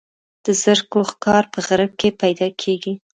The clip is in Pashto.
د زرکو ښکار په غره کې پیدا کیږي.